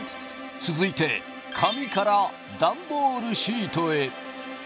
続いて紙からダンボールシートへ。